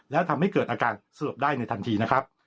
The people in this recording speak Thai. แล้วทำให้เกิดอาการสลบได้ในทันทีนะครับ